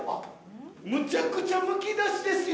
むちゃくちゃ、むき出しですよ。